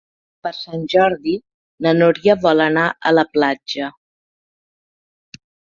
Per Sant Jordi na Núria vol anar a la platja.